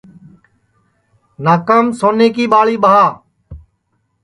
ناکام سونیں کی ٻاݪی ٻاہ